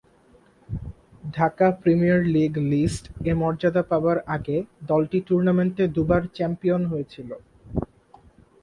Dhaka Premier League List A মর্যাদা পাবার আগে দলটি টুর্নামেন্টে দুবার চ্যাম্পিয়ন হয়েছিল।